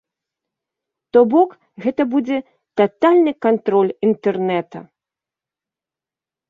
То бок, гэта будзе татальны кантроль інтэрнэта.